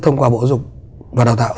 thông qua bộ dục và đào tạo